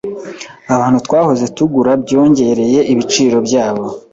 Ahantu twahoze tugura byongereye ibiciro byabo.